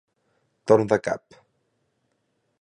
Torn de cap.